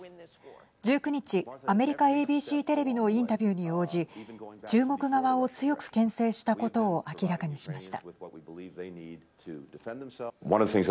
１９日、アメリカＡＢＣテレビのインタビューに応じ中国側を強くけん制したことを明らかにしました。